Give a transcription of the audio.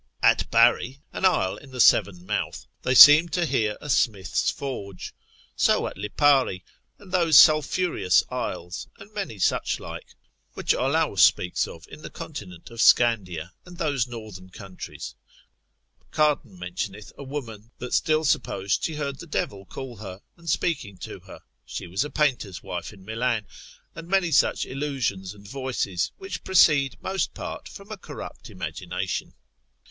At Barrey, an isle in the Severn mouth, they seem to hear a smith's forge; so at Lipari, and those sulphureous isles, and many such like, which Olaus speaks of in the continent of Scandia, and those northern countries. Cardan de rerum var. l. 15, c. 84, mentioneth a woman, that still supposed she heard the devil call her, and speaking to her, she was a painter's wife in Milan: and many such illusions and voices, which proceed most part from a corrupt imagination.